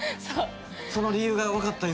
その理由がわかった今。